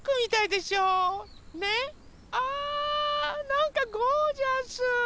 なんかゴージャス！